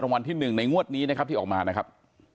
วันที่๑ในงวดนี้นะครับที่ออกมานะครับ